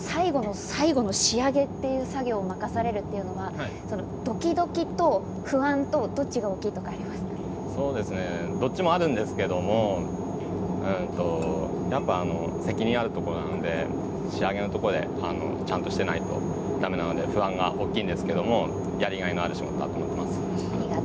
最後の仕上げを任されるというのはどきどきと不安とどちらもあるんですけどやっぱり責任があるところなので仕上げのところでちゃんとしていないと、だめなので不安が大きいんですけどやりがいのある仕事だと思っています。